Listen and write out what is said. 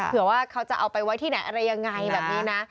เผื่อว่าเขาจะเอาไปไว้ที่ไหนอะไรยังไงแบบนี้นะ